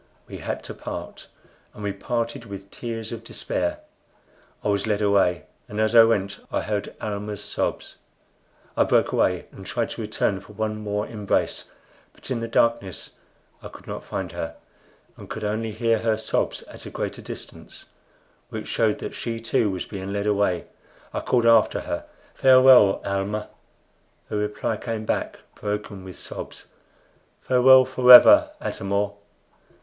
We had to part, and we parted with tears of despair. I was led away, and as I went I heard Almah's sobs. I broke away, and tried to return for one more embrace; but in the darkness I could not find her, and could only hear her sobs at a greater distance, which showed that she too was being led away. I called after her, "Farewell, Almah!" Her reply came back broken with sobs. "Farewell forever, Atam or!"